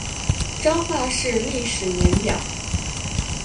彰化市历史年表